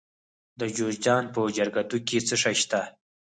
د جوزجان په جرقدوق کې څه شی شته؟